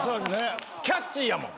キャッチーやもん。